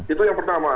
itu yang pertama